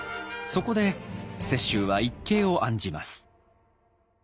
そこで雪舟は一計を案じます。